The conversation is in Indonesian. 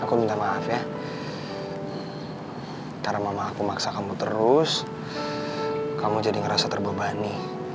aku minta maaf ya karena mama aku maksa kamu terus kamu jadi ngerasa terbebani